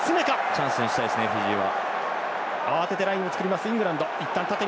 チャンスにしたいですねフィジーは。